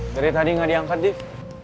dari tadi nggak diangkat deh